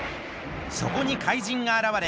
そこに怪人があらわれ